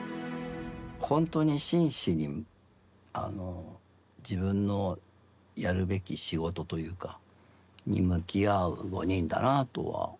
ほんとに真摯に自分のやるべき仕事というかに向き合う５人だなとは思う。